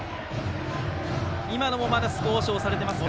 今のもまだ少し押されてましたか。